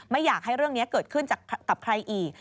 ไม่อยากให้เรื่องนี้เกิดขึ้นกับใครอีก